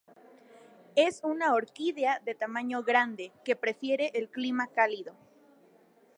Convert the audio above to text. Es una orquídea de tamaño grande, que prefiere el clima cálido.